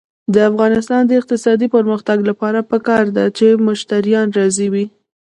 د افغانستان د اقتصادي پرمختګ لپاره پکار ده چې مشتریان راضي وي.